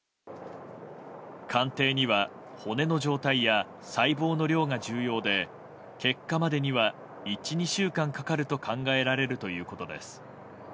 鑑定には骨の状態や細胞の量が重要で結果までには１２週間かかると考えられるということです。